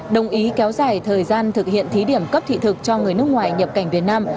đồng ý kéo dài thời gian thực hiện thí điểm cấp thị thực cho người nước ngoài nhập cảnh việt nam